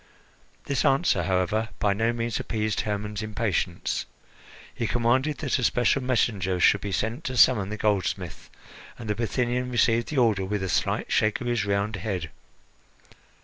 This answer, however, by no means appeased Hermon's impatience. He commanded that a special messenger should be sent to summon the goldsmith, and the Bithynian received the order with a slight shake of his round head.